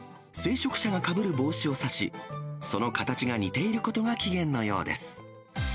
聖職者がかぶる帽子を指し、その形が似ていることが起源のようです。